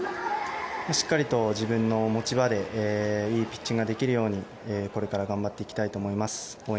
しっかりと自分の持ち場でいいピッチングができるようにこれから頑張っていきたいと思います。